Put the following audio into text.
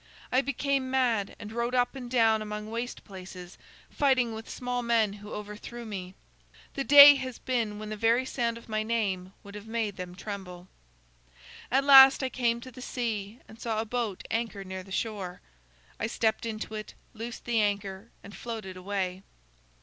I became mad, and rode up and down among waste places, fighting with small men who overthrew me. The day has been when the very sound of my name would have made them tremble. "At last I came to the sea and saw a boat anchored near the shore. I stepped into it, loosed the anchor, and floated away.